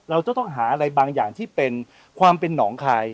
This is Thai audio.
เราจะต้องหาอะไรบางอย่างที่เป็นความเป็นหนองคาย